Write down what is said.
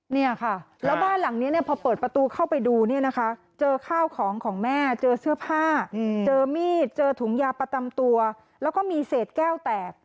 เนี่ยค่ะแล้วบ้านหลังนี้เนี่ยพอเปิดประตูเข้าไปดูเนี่ยนะคะเจอข้าวของของแม่เจอเสื้อผ้าเจอมีดเจอถุงยาประจำตัวแล้วก็มีเศษแก้วแตก